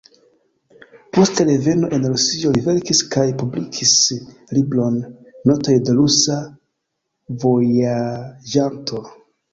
Post reveno en Rusion li verkis kaj publikis libron "“Notoj de rusa vojaĝanto”".